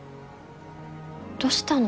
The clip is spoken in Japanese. どしたの？